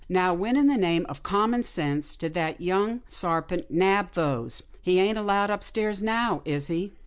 Now when, in the name of common sense, did that young sar pint nab those? He ain't allowed upstairs now, is he?"